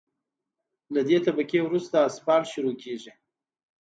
له دې طبقې وروسته اسفالټ شروع کیږي